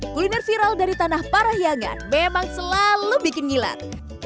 kuliner viral dari tanah parahyangan memang selalu bikin ngilat